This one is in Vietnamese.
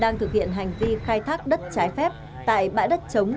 đang thực hiện hành vi khai thác đất trái phép tại bãi đất chống